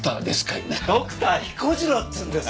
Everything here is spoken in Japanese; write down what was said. ドクター彦次郎っつうんです。